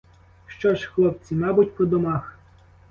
Що ж, хлопці, мабуть, по домах.